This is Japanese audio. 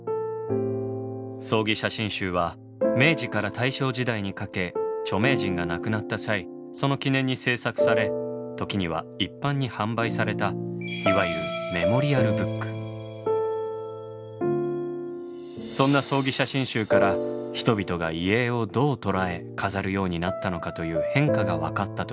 葬儀写真集は明治から大正時代にかけ著名人が亡くなった際その記念に制作され時には一般に販売されたいわゆるそんな葬儀写真集から人々が遺影をどう捉え飾るようになったのかという変化がわかったといいます。